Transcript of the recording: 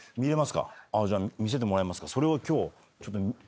じゃあ見せてもらいますか。